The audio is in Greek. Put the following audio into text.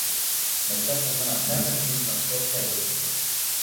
μερικά σπασμένα πιάτα κείτουνταν σκόρπια εδώ κι εκεί